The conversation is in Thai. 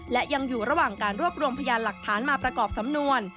และยังอยู่ระหว่างการรวบรวมพยานหลักฐานมาประกอบสำนวน